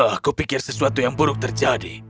aku pikir sesuatu yang buruk terjadi